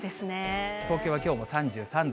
東京はきょうも３３度。